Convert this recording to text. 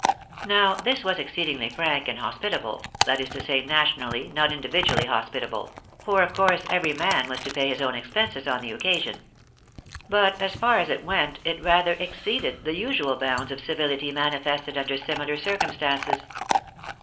Now this was exceedingly frank and hospitable — that is to say, nationally, not individually, hospitable ; for of course every man was to pay his own expenses on the occasion. But, as far as it went, it rather exceeded the usual bounds of civility manifested under similar circumstances.